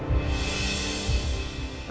tapi handphonenya gak aktif